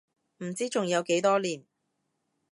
唔知仲有幾多年